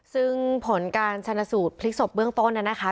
ซึ่งผลการชนสูตรพลิกศพเบื้องต้นน่ะนะคะ